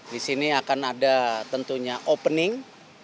di sini akan ada tentunya opening